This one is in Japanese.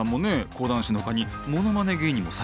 講談師のほかにものまね芸人もされてますよね。